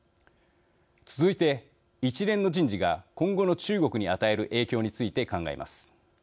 続いて、一連の人事が今後の中国に与える影響について考えます。